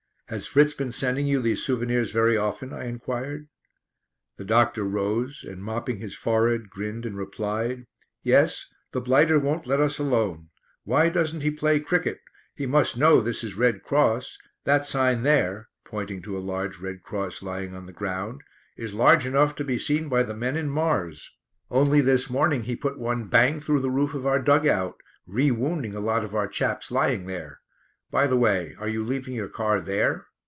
"Has Fritz been sending you these souvenirs very often?" I enquired. The doctor rose, and mopping his forehead, grinned and replied: "Yes; the blighter won't let us alone. Why doesn't he play cricket? He must know this is Red Cross. That sign there," pointing to a large Red Cross lying on the ground, "is large enough to be seen by the men in Mars. Only this morning he put one bang through the roof of our dug out, rewounding a lot of our chaps lying there. By the way, are you leaving your car there?"